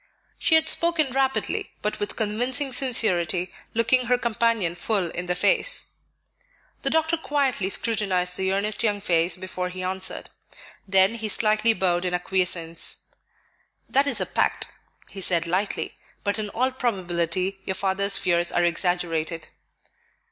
She had spoken rapidly, but with convincing sincerity, looking her companion full in the face. The doctor quietly scrutinized the earnest young face before he answered. Then he slightly bowed in acquiescence. "That is a pact," he said lightly; "but in all probability your father's fears are exaggerated."